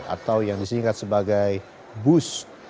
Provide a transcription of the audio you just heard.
atau yang disingkat sebagai bus